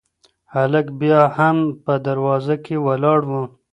هلک بیا هم په دروازه کې ولاړ و.